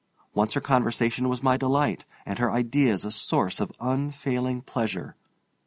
Once her conversation was my delight, and her ideas a source of unfailing pleasure.